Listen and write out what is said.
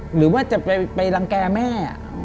หรือว่าจะไปรังแก่แม่